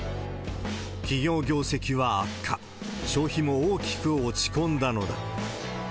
企業業績は悪化、消費も大きく落ち込んだのだ。